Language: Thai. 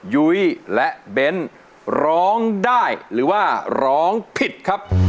ยุ้ยและเบ้นร้องได้หรือว่าร้องผิดครับ